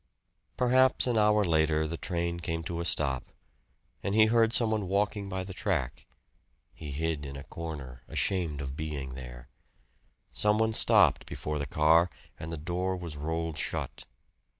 Perhaps an hour later the train came to a stop, and he heard some one walking by the track. He hid in a corner, ashamed of being there. Some one stopped before the car, and the door was rolled shut.